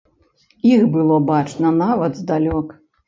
Іх было бачна нават здалёк.